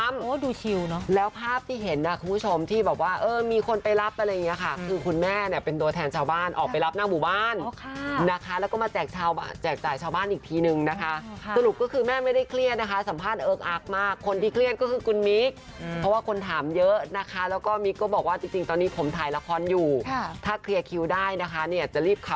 ดูชิวเนอะแล้วภาพที่เห็นนะคุณผู้ชมที่แบบว่าเออมีคนไปรับอะไรอย่างนี้ค่ะคือคุณแม่เนี่ยเป็นตัวแทนชาวบ้านออกไปรับหน้าหมู่บ้านนะคะแล้วก็มาแจกจ่ายชาวบ้านอีกทีนึงนะคะสรุปก็คือแม่ไม่ได้เครียดนะคะสัมภาษณ์เอิ๊กอักมากคนที่เครียดก็คือคุณมิ๊กเพราะว่าคนถามเยอะนะคะแล้วก็มิ๊กก็บอกว่าจริงตอนนี้ผมถ่ายละครอยู่ถ้าเคลียร์คิวได้นะคะ